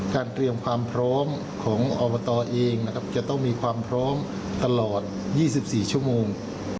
เตรียมความพร้อมของอบตเองนะครับจะต้องมีความพร้อมตลอด๒๔ชั่วโมง